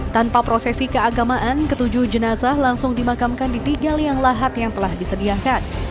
tanpa prosesi keagamaan ketujuh jenazah langsung dimakamkan di tiga liang lahat yang telah disediakan